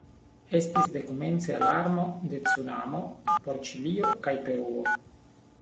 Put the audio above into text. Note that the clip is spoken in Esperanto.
Estis dekomence alarmo de cunamo por Ĉilio kaj Peruo.